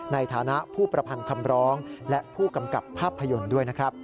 ในฐานะผู้ประพันธ์คำร้องและผู้กำกับภาพยนตร์ด้วยนะครับ